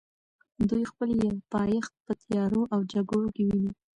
دوی خپل پایښت په تیارو او جګړو کې ویني.